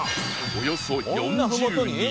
およそ４０人